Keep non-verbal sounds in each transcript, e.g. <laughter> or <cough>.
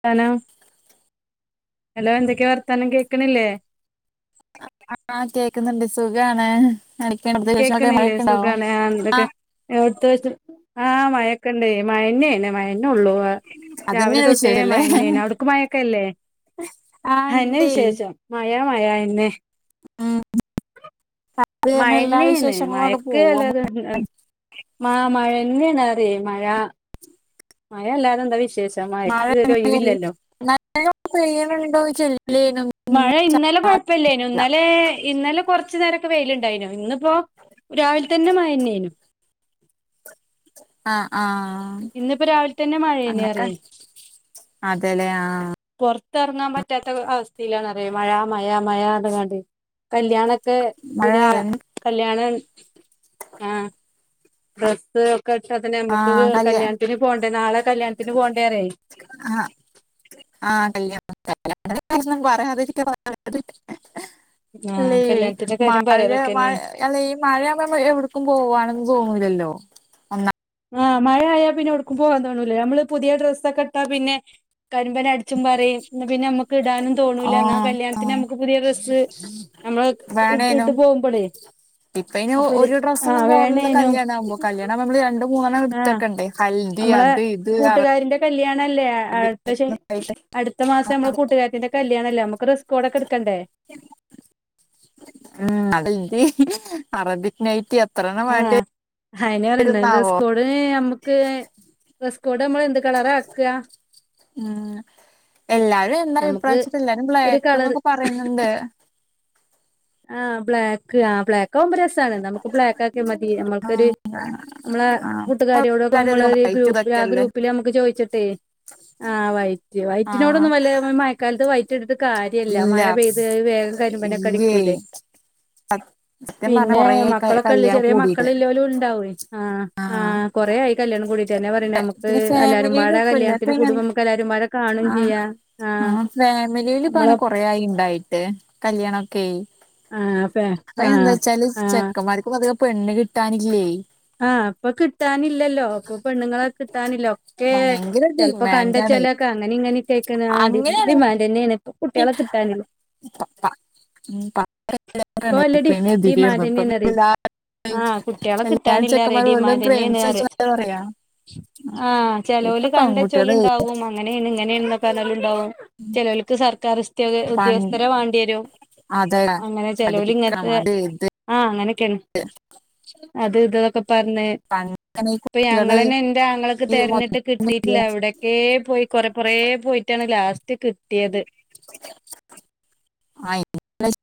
ത്താനം hello എന്തൊക്കെയാ വർത്താനം കേൾക്കണില്ലേ ആഹ് കേക്കുന്നുണ്ട് സുഖാണ് എടക്ക് പ്രത്യേകിച്ചൊക്കെ മഴക്കേണ്ടോ ആഹ് ടുത്ത വെച്ച ആഹ് മയക്കെണ്ടേ മഴന്നേണ് മയേന്നെഉള്ളൂ രാവിലെ അതന്നെയാണ് തൊട്ടേ വിശേഷല്ലേ മയനേന അവിടക്ക് മഴൊക്കെ ഇല്ലേ ആഹ് ണ്ടേ മയാ മയാ അഎന്നെ ആഹ് മഴന്നെയാണ് വിശേഷങ്ങളും അങ്ങട് മഴക്ക് പോവാ അല്ലാതെ മഴ തന്നെയണ അറിയേ മഴ മയ അല്ലാതെന്താ വിശേ മാഴ <unintelligible> നല്ല പെയ്യ്ണണ്ടോ ചെല്ലേനും മഴ ഇന്നലെ കുഴപ്പില്ലേന ഇന്ന ല്ലെ ഇന്നലെ കുറച്ചു നേരൊക്കെ വെയിലുണ്ടായിനു ഇന്നിപ്പോ രാവിലെ തന്നെ മയെനേനു ആഹ് ആഹ് ഇന്നിപ്പ രാവിൽ തന്നെ മഴേനിറ്യ അതെലെ ആഹ് ആഹ് പൊർത്തെറങ്ങാൻ പറ്റാത്ത അവസ്ഥയിലാണ് റിയ മഴ മഴ മഴർഞ്കാണ്ടെ കല്യാണ ഒക്കെ മഴ പിന്നെ അതന്നെ. കല്യാണം ആ ഡ്രസ്സ് ഒക്കെ ഇട്ടാ തന്നെ നമ്മക്ക് ആഹ് കല്യാ കല്യാൺത്തിന് പോണ്ടേ നാളെ കല്യാണത്തിന് പോണ്ടേറ്യേ. ആഹ് ആഹ് കല്യാണം <unintelligible> പറയാതിരിക്കാൻ <unintelligible> <unintelligible> ആ ല്ലേയ് കല്യാണത്തിന്റെ കാര്യം മഴ മഴ് പറയലൊക്കെന്നെയാണ് അല്ലെ ഈ മഴയാുമ്പ എവിടക്കും പോവാണെന്ന് തോന്നുലല്ലോ ആഹ് മഴയായാ പിന്നെ ഒടുക്കും പോവാൻ തോണൂലാ നമ്മള് പുതിയ ഡ്രസ്സൊക്കെ ഇട്ടാ പിന്നെ കരിമ്പന അട് ച്ചും പറിം പിന്നെ നമ്മക്ക് ഇടാനും തോണൂല എന്നാ ആഹ് കല്യാൺത്തിന് ആഹ് നമുക്ക് പുതിയ ഡ്രസ്സ് നമ്മള് ഇട്ട് ട്ട് വേണേനും പോകുമ്പളേ ഇപ്പ അയ്ന് ഒരു ഡ്രസ്സൊന്നും പോരല്ലോ വേണേനും കല്യാണാവുമ്പം കല്യാണാവുമ്പം നമ്മള് രണ്ടും മൂന്നെണ്ണം ആ ഇട്ത്തക്കെണ്ടേ ഹൽദി നമ്മളെ അത് ഇത് അറ കൂട്ടുകാരിന്റെ കല്യാണല്ലേ അടുത്ത ശ യിട്ട് അടുത്ത മാസം നമ്മള കൂട്ടുകാരത്തിൻ്റെ കല്യാണല്ലെ നമക്ക് റസ്കോടൊക്കെ ഇട്ക്കണ്ടേ ഉം ഹൽദി അറബിക് നൈറ്റി എത്രണ്ണം വേണ്ടി വരുംന്നാവോ പിന്നെ നമ്മക്ക് റസ്കോട് നമ്മള് എന്ത് കളറാ ആക്കാ ഉം എല്ലാരും എന്താ നമുക്ക് അഭിപ്രായച്ചിട്ട് എല്ലാരും ഒരു ബ്ലേക്ക് കളർ ന്നൊക്കെ പറയുന്നുണ്ട് ആഹ് ബ്ലാക്ക് ആഹ് ബ്ലാക് ക്കാവുമ്പം രസാണ് ന്നാ നമക്ക് ബ്ലേക്കാക്കിയാ മതി നമ്മൾക്കൊരു നമ്മളെ ആ കൂട്ടുകാരിയോടൊക്കെ എല്ലാരും അധികം നമ്മളൊര് വൈറ്റ് ഗ്രൂപ് പിലാ ആ ഇതൊക്കെയല്ലേ ഗ്രൂപ്പില് നമക്ക് ചോയിച്ചിട്ടെ ആഹ് വൈറ്റ് ആ വൈറ്റിനോടൊന്നും വല്ല മഴക്കാലത്ത് വൈറ്റ് എട്ത്ത് കാര്യല്ല ഇല്ല മഴ പെയ്ത് അത് വേഗം ഇല്ലേ കരിമ്പനൊക്കെടിക്കൂലേ സത്യം പറഞ്ഞ പിന്നെ കൊറേ മക്കളൊക്കെല്ല കല്യാണം ചെറിയ കൂടിട്ട് മക്കള്ല്ലോലും ഉണ്ടാവേ ആഹ് ആ ആഹ് കൊറേ ആയി കല്യാണം കൂടിട്ട് ർഞ്. ഞാൻ പറ്യ നമക്ക് പിന്നെ എല്ലാരുംപാടെ ഫാമിലിയിലും ഇപ്പല്ല കല്യാണത്തിന് ഇപ്പ കൂടുംമ്പം നമുക്ക് എല്ലാരും പാടെ കാണും ആ ചെയ്യാ ആഹ് ഫാമിലീലു ഇപ്പോ നമ്മളെ അങ്ങനെ കൊറേ ആയി ഇണ്ടായിട്ട് കല്യാണൊക്കെ ആഹ് ഫേ ആഹ് ല് ആഹ് ചെക്കന്മാർക്കും പധികം പെണ്ണ് കിട്ടാനില്ലേ ആഹ് ഇപ്പൊ കിട്ടാനില്ലല്ലോ അപ്പൊ പെണ്ണുങ്ങളെ കിട്ടാനില്ല ഒക്കെ ഭയങ്കര ചെൽപ്പോ ഡിമാൻഡാണ് കണ്ടച്ചോലൊക്കെ അങ്ങനിം ഇങ്ങനിം കേയ്ക്ണ് ആഹ് ഡി ഡിമാൻ്റെന്നേണ് ന് പപ്പ ഉം പ <unintelligible> <unintelligible> ഇപ്പൊ വല്യ ഡി ഡിമാൻഡന്നെയാണറിയെ ആഹ് കുട്ടികളെ എല്ലാ കിട്ടാനില്ല ചെക്കമ്മാരും ഓലും റെഡിമാൻഡന്നെയാണ് പറയ പ്രേമിച്ചച്ചൂ ന്നാ പറയാ ആഹ് ഇപ്പൊ ചെലോല് കണ്ടച്ചോല് പെൺകുട്ടികള് ണ്ടാവും അങ്ങനേണ് ഇങ്ങനേണ് ന്നൊക്കെ പർഞ്ഞോല് ഉണ്ടാവും. ചെലോൽക്ക് സർക്കാർ ഉസ്ത്യോഗ പൺ ഉദ്യോഗസ്ഥരെ വാണ്ടിയേരും അതെ ചെലോൽ പഠിപ്പിക്കണം ഇങ്ങത്തെ അത് ഇത് ആഹ് അങ്ങനൊക്കെണ് അത് ഇത് തൊക്കെ പറഞ് പണ്ടങ്ങനെ ഈ ഇപ്പൊ കുട്ടികള് ഞങ്ങളന്നെ ഇൻ്റെ ആങ്ങള ക്ക് ഈ തെര്ഞ്ഞിട്ട് കിട്ടിട്ടില്ല. എവിടെ ക്കേ പോയി കൊറെ കൊറേ പോയിട്ടാണ് ലാസ്റ്റ് കിട്ടിയത് ആഹ് <unintelligible>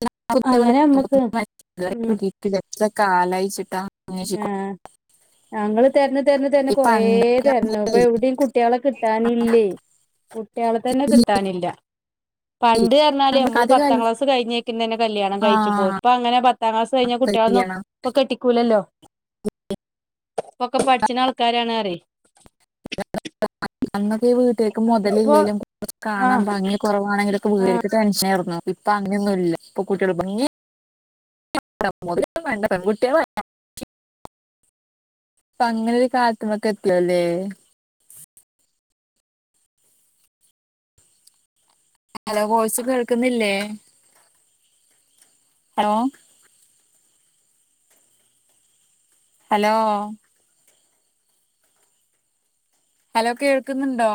അങ്ങനെ നമ്മക്ക് ഉം ട്ട് എത്ര കാലായിച്ചിട്ടാ ഏഹ് ഞങ്ങള് തെര്ഞ് തെര്ഞ് തെര്ഞ് ഈ കൊറേ പണ്ടൊക്കെ തെര്ഞ്ഞു. നമ്മള് ഇപ്പൊയൊവിടിം കുട്ടിയേളെ കിട്ടാനില്ലേ കുട്ടിയേളെ തന്നെ ഈ കിട്ടാനില്ല പണ്ട് പർഞ്ഞാല് നമുക്ക് നമ്മള് അത് പത്താം കല്- ക്ലാസ് കഴിഞ്ഞേക്കും തന്നെ കല്യാണം ആ കഴിച്ചുപ്പോയി ഇപ്പ അങ്ങനെ പത്താം ക്ലാസ് കഴിഞ്ഞ കുട്ടിയേളൊന്നും കല്യാണം ഇപ്പൊ കെട്ടിക്കൂലല്ലോ ഇപ്പൊ ഒക്കെ പഠിച്ച്ണ ആൾക്കാരാണ് റ്യെ <unintelligible> അന്നൊക്കെ ഈ വീട്ട്കാർക്ക് ഇപ്പൊ മൊതലില്ലെലും കൊറച്ച് ആഹ് കാണാൻ ഭംഗി കുറവാണെങ്കിലൊക്കെ വീട്ടുകാർക്ക് ടെൻഷൻ ഏർന്നു. ഇപ്പ അങ്ങന്യൊന്നും ഇല്ല ഇപ്പ കുട്ട്യേള് ഭംഗി ഓരൊന്നും വേണ്ട പെൺകുട്ടികള് വെരട്ടെ ഇപ്പ അങ്ങനൊരു കാരൃത്ത്മേക്കെത്തിയല്ലേ അലോ വോയിസ്‌ കേൾക്കുന്നില്ലേ ഹലോ ഹലോ ഹലോ കേൾക്കുന്നുണ്ടോ